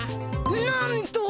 なんと！